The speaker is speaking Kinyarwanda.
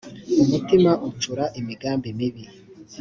umutima ucura imigambi mibi